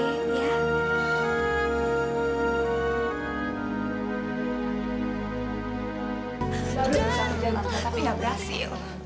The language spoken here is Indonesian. udah selesai jalan tapi nggak berhasil